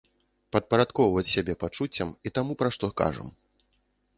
Падпарадкоўваць сябе пачуццям і таму, пра што кажам.